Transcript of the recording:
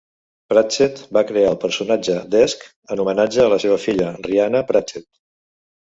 Pratchett va crear el personatge d'Esk en homenatge a la seva filla Rhianna Pratchett.